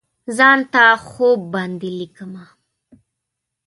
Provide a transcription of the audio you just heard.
ځان ته خوب باندې لیکمه